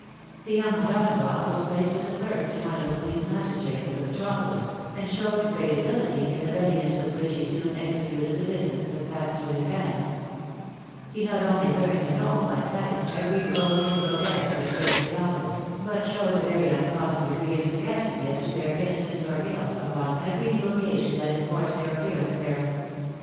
The young O'Donagough was "placed* a» * t\etV \a out of die police magistrates of the metropons, «&&. ^orosk %*«&. A$Ste\ THE WIDOW BABNABY. 415 in the readiness with which he soon executed the business that passed through his hands. He not only learned to know by sight every rogue and roguess that appeared at the office, but showed a very uncommon degree of sagacity as to their innocence or guilt upon any new occasion that enforced their appearance there.